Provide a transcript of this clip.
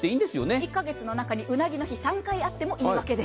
゜１か月の中にうなぎの日が３回あってもいいんです。